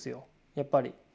やっぱり。